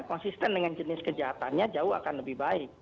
konsisten dengan jenis kejahatannya jauh akan lebih baik